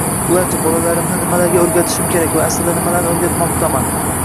Ularchi? Bolalarimni nimalarga o‘rgatishim kerak va aslida nimalarni o‘rgatmoqdaman”